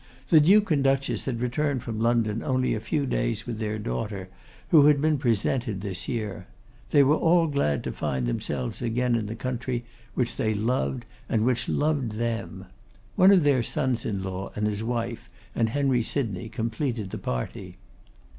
The Duke and Duchess had returned from London only a few days with their daughter, who had been presented this year. They were all glad to find themselves again in the country, which they loved and which loved them. One of their sons in law and his wife, and Henry Sydney, completed the party.